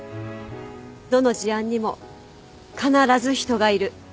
どの事案にも必ず人がいる。